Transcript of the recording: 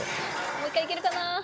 もう一回いけるかな。